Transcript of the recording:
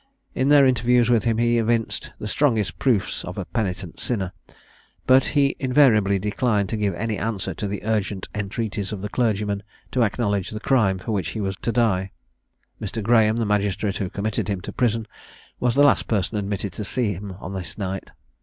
In their interviews with him he evinced the strongest proofs of a penitent sinner; but invariably declined to give any answer to the urgent entreaties of the clergymen to acknowledge the crime for which he was to die. Mr Graham, the magistrate who committed him to prison, was the last person admitted to see him on this night.